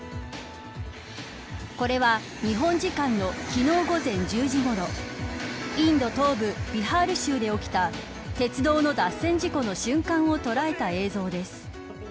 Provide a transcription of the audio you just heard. これは、日本時間の昨日午前１０時ごろインド東部ビハール州で起きた鉄道の脱線事故の瞬間を捉えた映像です。